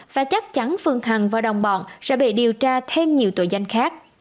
và chắc chắn phương hằng và đồng bọn sẽ bị điều tra thêm nhiều tội danh khác